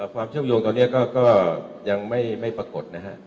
ความเชื่อมโยงตอนนี้ก็ยังไม่ปรากฏนะฮะ